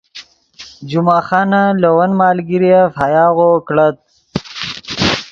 جمعہ خانن لے ون مالگیرف ہیاغو کڑت